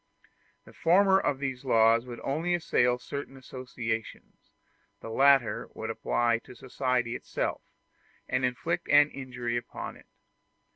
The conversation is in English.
The former of these laws would only assail certain associations; the latter would apply to society itself, and inflict an injury upon it.